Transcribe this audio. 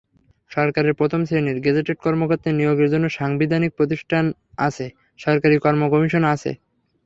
সরকারের প্রথম শ্রেণির গেজেটেড কর্মকর্তা নিয়োগের জন্য সাংবিধানিক প্রতিষ্ঠান আছে, সরকারি কর্মকমিশন আছে।